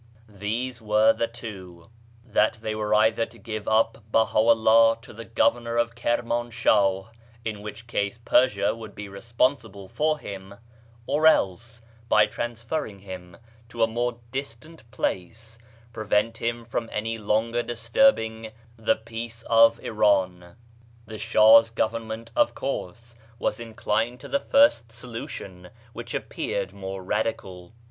These were the two : that they were either to give up Baha'u'llah to the Governor of Kirmanshah — in which case Persia would he responsible for him — or else, by transferring him to a more distant place, prevent him from any longer disturbing the peace of Iran. The Shah's government, of course, was in clined to the first solution, which appeared more radical.